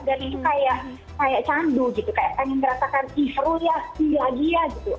dan itu kayak kayak candu gitu kayak pengen merasakan ih ru ya sih lagi ya gitu